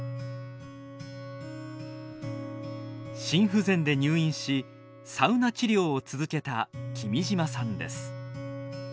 心不全で入院しサウナ治療を続けた君島さんです。